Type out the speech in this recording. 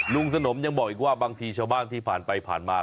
สนมยังบอกอีกว่าบางทีชาวบ้านที่ผ่านไปผ่านมา